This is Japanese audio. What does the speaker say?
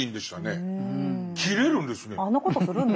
あんなことするんですね。